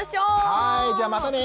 はいじゃあまたね！